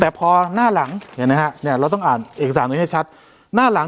แต่พอหน้าหลังเห็นไหมฮะเนี่ยเราต้องอ่านเอกสารไว้ให้ชัดหน้าหลัง